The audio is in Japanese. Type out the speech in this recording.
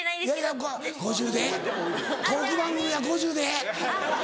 トーク番組は５０でええ。